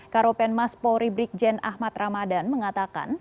karopen mas polri brikjen ahmad ramadan mengatakan